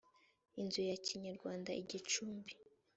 inzu ya kinyarwanda igicumbi